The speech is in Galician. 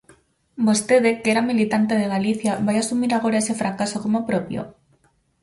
¿Vostede, que era militante de Galicia, vai asumir agora ese fracaso como propio?